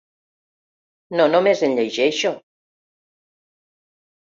No només en llegeixo.